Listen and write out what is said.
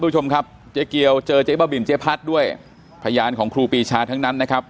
คุณผู้ชมครับเจ๊เกียวเจอเจ๊บ้าบินเจ๊พัดด้วยพยานของครูปีชาทั้งนั้นนะครับ